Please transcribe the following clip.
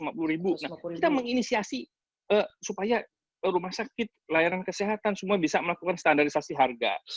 kita menginisiasi supaya rumah sakit layanan kesehatan semua bisa melakukan standarisasi harga